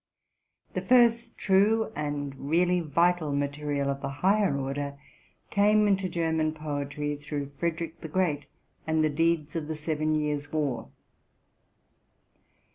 241, 232 TRUTH AND FICTION The first true and really vital material of the higher order came into German poetry through Frederick the Great and the deeds of the Seven Years' War.